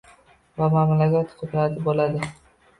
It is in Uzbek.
Va mamlakat qudratli bo‘ladi.